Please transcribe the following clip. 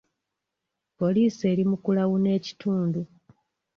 Poliisi eri mu kulawuna ekitundu.